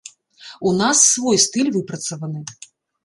У нас свой стыль выпрацаваны.